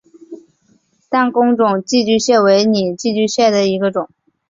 弹弓肿寄居蟹为拟寄居蟹科肿寄居蟹属下的一个种。